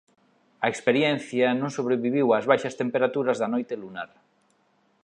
A experiencia non sobreviviu as baixas temperaturas da noite lunar.